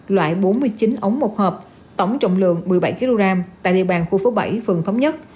loại bốn mươi chín ống một hợp tổng trọng lượng một mươi bảy kg tại địa bàn khu phố bảy phường thống nhất